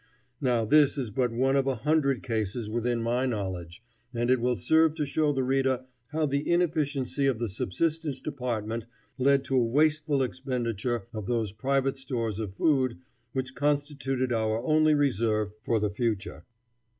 Now this is but one of a hundred cases within my own knowledge, and it will serve to show the reader how the inefficiency of the subsistence department led to a wasteful expenditure of those private stores of food which constituted our only reserve for the future.